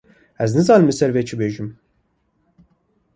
Ez nizanim li ser vê çi bibêjim.